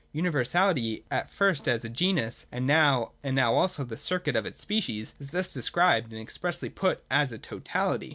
Universality, at first as a genus, and now also as the circuit of its species, is thus described and expressly put as a totality.